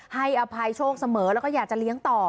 ให้อภัยโชคเสมอแล้วก็อยากจะเลี้ยงต่อ